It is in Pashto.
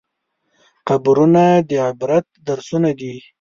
قبرونه د عبرت درسونه دي.